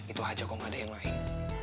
itu aja kok gak ada yang lain